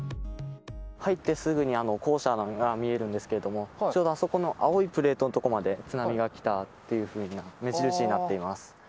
入ってすぐに校舎が見えるんですけれども、ちょうどあそこの青いプレートの所まで津波が来たっていうふうな目印になっています。